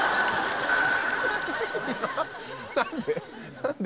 何で？